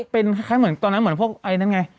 ตอนนั้นเหมือนพวกไอ้นั้นไง